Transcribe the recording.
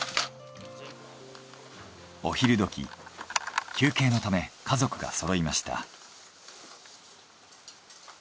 お昼どき休憩のため家族がそろいました。